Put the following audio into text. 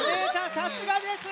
さすがです！